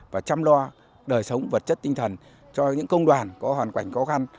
và chăm lo đời sống vật chất tinh thần cho những công đoàn có hoàn cảnh khó khăn